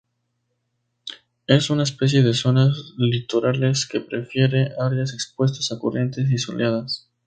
Es una especie de zonas litorales, que prefiere áreas expuestas a corrientes y soleadas.